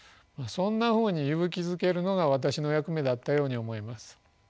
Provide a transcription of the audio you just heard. そんなふうに勇気づけるのが私の役目だったように思います。